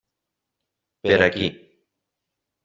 Per aquí.